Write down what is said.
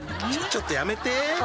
ちょっとやめて。